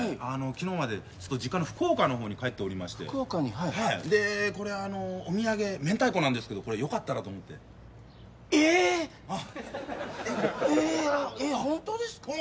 きのうまで実家の福岡の方に帰っておりまして福岡にはいでこれあのお土産めんたいこなんですけどよかったらと思ってええっええっホントですか？